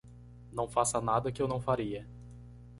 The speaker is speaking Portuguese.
Não faça nada que eu não faria.